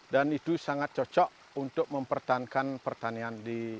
dan itu sangat cocok untuk mempertahankan pertanian di